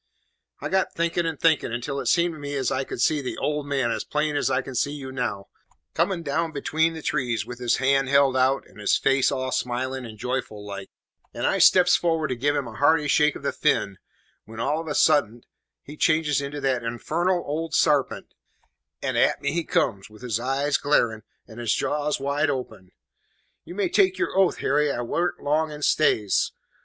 "I got thinking and thinking, until it seemed to me as I could see the `old man' as plain as I can see you now, coming down between the trees, with his hand held out, and his face all smiling and joyful like, and I steps forward to give him a hearty shake of the fin, when all of a suddent he changes into that infarnal old sarpent, and at me he comes, with his eyes glaring, and his jaws wide open. "You may take your oath, Harry, I warn't long in stays.